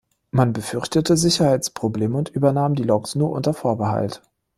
Man befürchtete Sicherheitsprobleme und übernahm die Loks nur unter Vorbehalt.